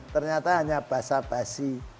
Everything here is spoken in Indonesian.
ternyata hanya basah basi